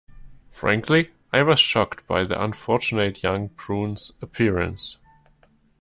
Frankly, I was shocked by the unfortunate young prune's appearance.